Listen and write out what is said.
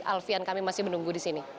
alfian kami masih menunggu disini